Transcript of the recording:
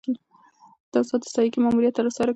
ناسا د سایکي ماموریت ترسره کوي.